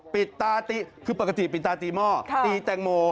ปิดตาตีคือปกติปิดตาตีหม้อตีแตงโม